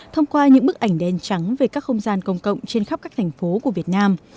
thông qua những bức ảnh đen trắng về các không gian công cộng trên khắp các thành phố của việt nam